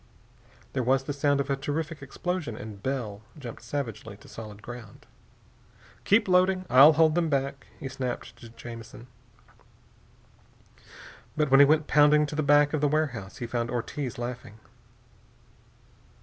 There was the sound of a terrific explosion, and Bell jumped savagely to solid ground. "Keep loading! I'll hold them back!" he snapped to Jamison. But when he went pounding to the back of the warehouse he found Ortiz laughing.